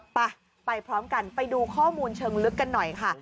ไปไปพร้อมกันไปดูข้อมูลเชิงลึกกันหน่อยค่ะ